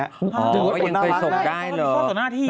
เขายังไปส่งกายหรือ